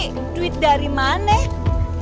yang sofi duit dari mana ya